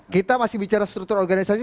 kita masih bicara struktur organisasi